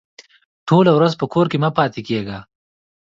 ټوله ورځ په کور کې مه پاته کېږه!